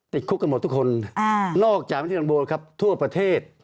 ติดคุกกันหมดทุกคนนอกจากประเทศรันโดครับทั่วประเทศ